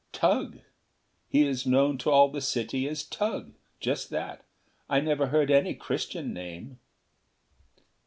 "Tugh. He is known to all the city as Tugh. Just that. I never heard any Christian name."